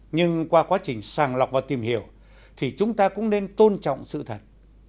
nhưng qua quá trình sàng lọc và tìm hiểu thì chúng ta cũng nên tôn trọng sự thật